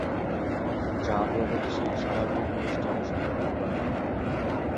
যা প্রগতিশীল সামাজিক প্রচেষ্টাকে সমর্থন করে।